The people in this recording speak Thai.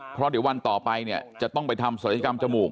เพราะเดี๋ยววันต่อไปเนี่ยจะต้องไปทำศัลยกรรมจมูก